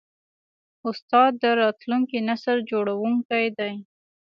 استاد د راتلونکي نسل جوړوونکی دی.